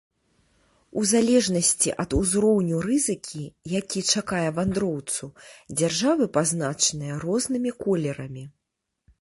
У залежнасці ад узроўню рызыкі, які чакае вандроўцу, дзяржавы пазначаныя рознымі колерамі.